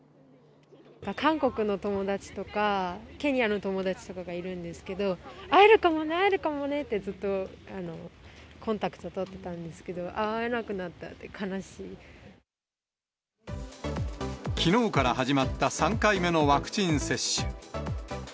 韓国の友達とか、ケニアの友達とかがいるんですけど、会えるかもね、会えるかもねって、ずっとコンタクト取ってたんですけれども、あー、きのうから始まった３回目のワクチン接種。